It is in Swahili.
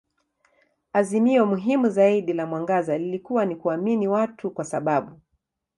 Azimio muhimu zaidi la mwangaza lilikuwa ni kuamini watu kwa sababu.